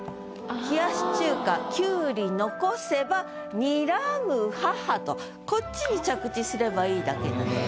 「冷やし中華胡瓜残せばにらむ母」とこっちに着地すればいいだけなんです。